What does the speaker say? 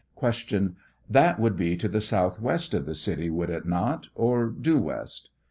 Q. That would be to the southwest of the city, would it not, or due west